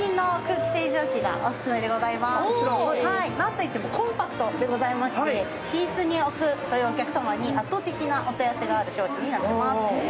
なんといってもコンパクトでございまして、寝室に置くというお客様に圧倒的なお問い合わせがある商品になります。